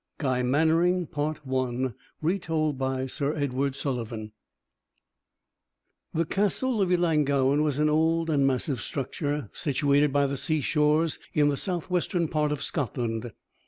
GUY MANNERING Retold by Sir Edward Sullivan The Castle of Ellangowan was an old and massive structure, situated by the seashore in the southwestern part of Scotland.